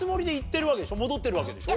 戻ってるわけでしょ？